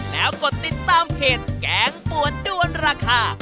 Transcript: แล้วกดติดตามเพจแกงปวดด้วนราคา